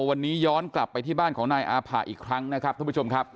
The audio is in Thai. วันนี้ย้อนกลับไปที่บ้านของนายอาผะอีกครั้งนะครับท่านผู้ชมครับ